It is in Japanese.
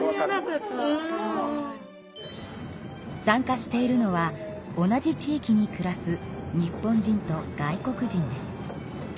参加しているのは同じ地域に暮らす日本人と外国人です。